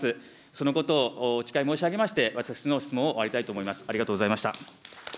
そのことをお誓い申し上げまして、私の質問を終わりたいと思います。